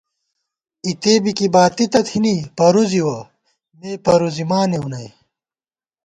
اِتےبی کی باتی تہ تھنی پرُوزِوَہ ، مے پرُوزِمانېؤ نئ